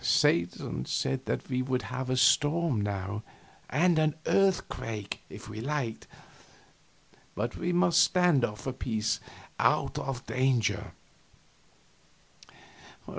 Satan said we would have a storm now, and an earthquake, if we liked, but we must stand off a piece, out of danger.